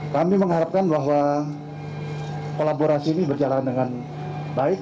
kami mengharapkan bahwa kolaborasi ini berjalan dengan baik